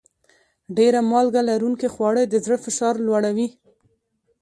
ډېر مالګه لرونکي خواړه د زړه فشار لوړوي.